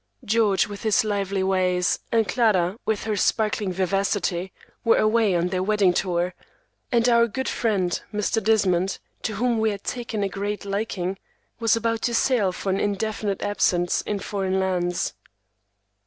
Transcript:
George, with his lively ways, and Clara, with her sparkling vivacity, were away on their wedding tour, and our good friend, Mr. Desmond, to whom we had taken a great liking, was about to sail for an indefinite absence in foreign lands.